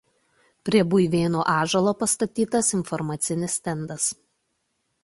Prie Buivėnų ąžuolo pastatytas informacinis stendas.